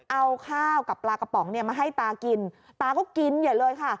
เอาข้าวกับปลากระป๋องเนี่ยมาให้ตากินตาก็กินใหญ่เลยค่ะ